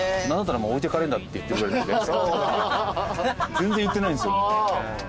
全然言ってないんですよね。